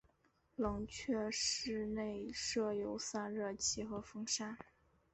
冷却室内设有散热器和风扇。